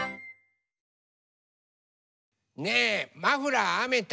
ねえマフラーあめた？